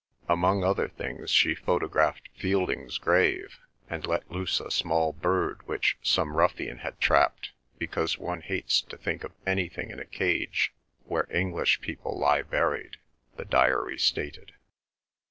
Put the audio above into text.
Among other things she photographed Fielding's grave, and let loose a small bird which some ruffian had trapped, "because one hates to think of anything in a cage where English people lie buried," the diary stated.